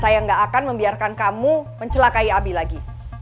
saya gak akan membiarkan kamu mencelakai abi lagi